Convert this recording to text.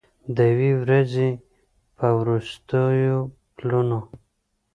د یوې ورځې په وروستیو پلونو